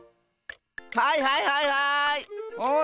はいはいはいはい！